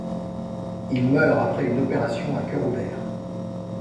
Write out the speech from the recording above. Il meurt après une opération à cœur ouvert.